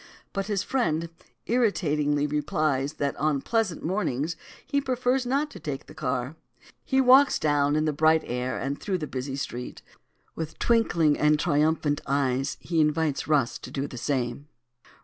But his friend irritatingly replies that on pleasant mornings he prefers not to take the car. He walks down in the bright air and through the busy street. With twinkling and triumphant eyes he invites Rus to do the same.